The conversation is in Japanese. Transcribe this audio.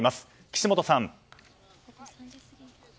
岸本さん。